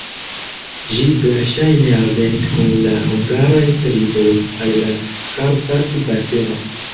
Ĝi verŝajne alvenis kun la hungaraj triboj al la Karpat-baseno.